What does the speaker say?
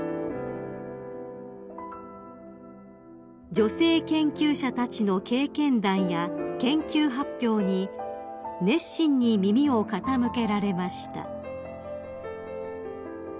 ［女性研究者たちの経験談や研究発表に熱心に耳を傾けられました］